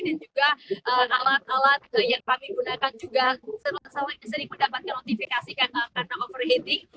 dan juga alat alat yang kami gunakan juga sering mendapatkan notifikasi karena overheating